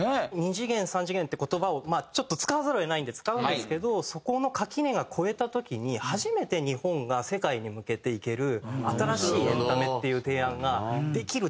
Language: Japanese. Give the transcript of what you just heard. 「２次元」「３次元」って言葉をちょっと使わざるを得ないんで使うんですけどそこの垣根が越えた時に初めて日本が世界に向けていける新しいエンタメっていう提案ができる